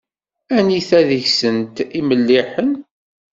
Anita deg-sent i imelliḥen?